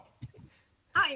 はい。